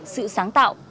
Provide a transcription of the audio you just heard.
sự sáng tạo